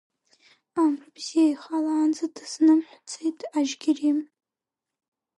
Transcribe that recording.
Амра бзиа ихалаанӡа дызхнымҳәӡеит Ажьгьери.